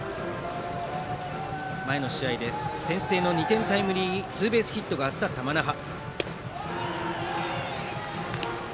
前の試合で先制の２点タイムリーツーベースヒットがあった玉那覇。